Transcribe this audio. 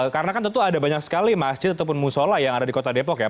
karena kan tentu ada banyak sekali masjid ataupun musola yang ada di kota depok ya